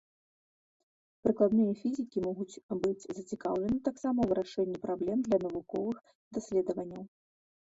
Прыкладныя фізікі могуць быць зацікаўлены таксама ў вырашэнні праблем для навуковых даследаванняў.